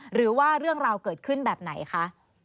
หรือว่าเรื่องราวเกิดขึ้นแบบไหนคะ